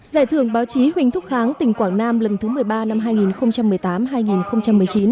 giải thưởng báo chí huỳnh thúc kháng tỉnh quảng nam lần thứ một mươi ba năm hai nghìn một mươi tám hai nghìn một mươi chín